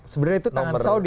sebenarnya itu tangan saudi